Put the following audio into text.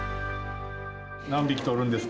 何匹捕るんですか？